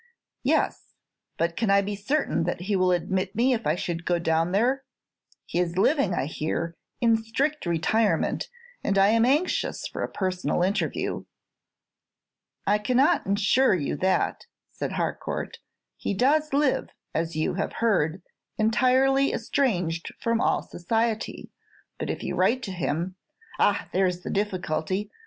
"Yes, but can I be certain that he will admit me if I should go down there? He is living, I hear, in strict retirement, and I am anxious for a personal interview." "I cannot insure you that," said Harcourt. "He does live, as you have heard, entirely estranged from all society. But if you write to him " "Ah! there's the difficulty.